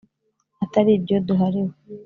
atari ibyo duhariwe